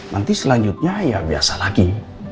nanti selanjutnya ya biasa lagi